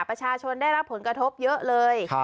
ประชาชนได้รับผลกระทบเยอะเลย